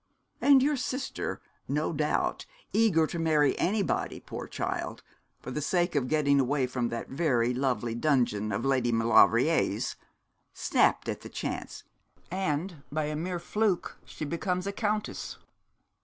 And your sister, no doubt, eager to marry anybody, poor child, for the sake of getting away from that very lovely dungeon of Lady Maulevrier's, snapped at the chance; and by a mere fluke she becomes a countess.'